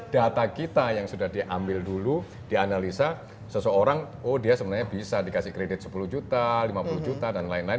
data kita yang sudah diambil dulu dianalisa seseorang oh dia sebenarnya bisa dikasih kredit sepuluh juta lima puluh juta dan lain lain